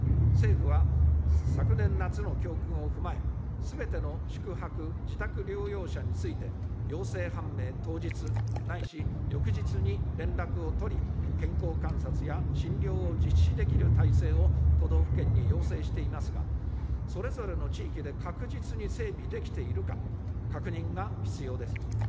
政府は、昨年夏教訓を踏まえ、すべての宿泊・自宅療養者について、陽性判明当日、ないし翌日に連絡を取り、健康観察や診療を実施できる体制を都道府県に要請していますが、それぞれの地域で確実に整備できているか、確認が必要です。